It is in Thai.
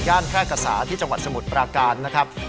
แพร่กษาที่จังหวัดสมุทรปราการนะครับ